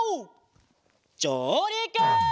じょうりく！